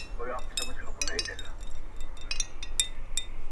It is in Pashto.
• اوس هغه بل كور كي اوسيږي كنه.